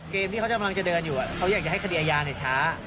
ที่เขากำลังจะเดินอยู่เขาอยากจะให้คดีอาญาช้า